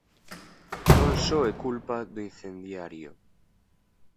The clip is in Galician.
Non só é culpa do incendiario.